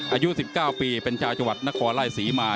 อายุ๑๙ปีเป็นชาวจัวรรค์นครไล่ศรีมา